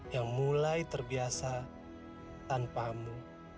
yang mulai terbiasa tanpamu